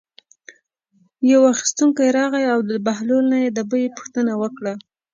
یو اخیستونکی راغی او د بهلول نه یې د بیې پوښتنه وکړه.